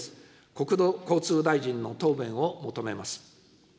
国土交通大臣の答弁を求めます。